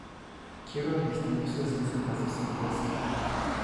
Quiero a mis niños asesinados en Gaza.